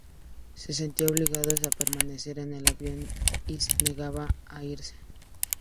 Se sentían obligados a permanecer en el avión y se negaban a irse.